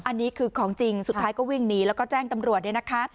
อันนี้คือของจริงสุดท้ายก็วิ่งหนีแล้วก็แจ้งตำรวจเนี่ยนะคะ